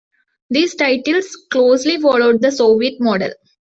These titles closely followed the Soviet model.